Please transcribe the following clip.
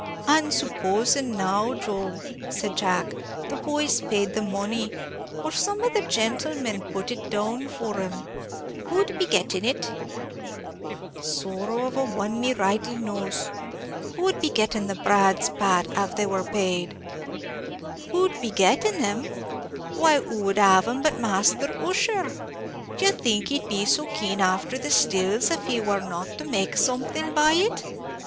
"And supposing now, Joe," said Jack, "the boys paid the money, or some of the gentlemen put it down for 'em; who'd be getting it?" "Sorrow a one of me rightly knows. Who would be getting the brads, Pat, av they war paid?" "Who'd be getting 'em? why, who would have 'em but Masther Ussher? D'ye think he'd be so keen afther the stills, av he war not to make something by it?